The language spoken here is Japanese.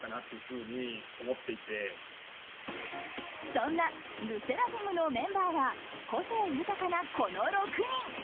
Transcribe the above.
そんなＬＥＳＳＥＲＡＦＩＭのメンバーは個性豊かなこの６人。